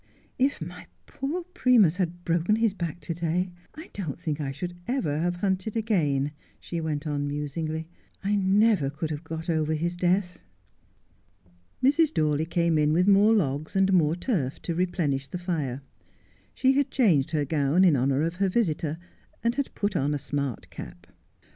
If my poor Primus had broken his back to day I don't think I should ever have hunted again,' she went on musingly. ' I never could have got over his death.' Mrs. Dawley came in with more logs and more turf to replenish the fire, She had changed her gown in honour of her visitor, and had put on a smart cap.